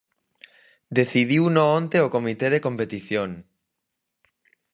Decidiuno onte o Comité de Competición.